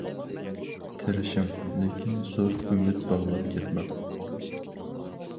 تىرىشىڭ، لېكىن زور ئۈمىد باغلاپ كەتمەڭ.